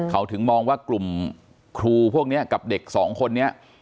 เขาถึงมองว่ากลุ่มครูพวกนี้กับเด็กสองคนนี้